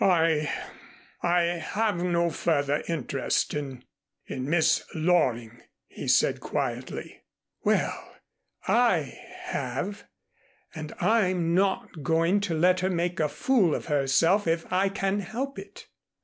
"I I have no further interest in in Miss Loring," he said quietly. "Well, I have. And I'm not going to let her make a fool of herself if I can help it."